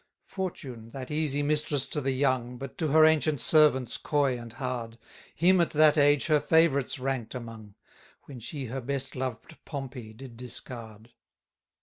8 Fortune (that easy mistress to the young, But to her ancient servants coy and hard), Him at that age her favourites rank'd among, When she her best loved Pompey did discard.